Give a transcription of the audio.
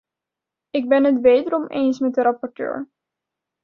Ik ben het wederom eens met de rapporteur.